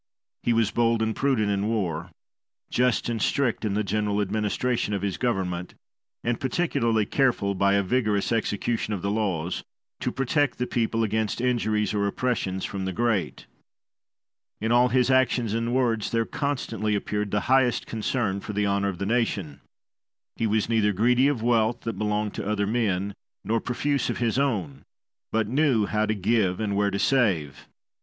He was bold and prudent in war, just and strict in the general administration of his government, and particularly careful, by a vigorous execution of the laws, to protect the people against injuries or oppressions from the great. In all his actions and words there constantly appeared the highest concern for the honour of the nation. He was neither greedy of wealth that belonged to other men nor profuse of his own, but knew how to give and where to save.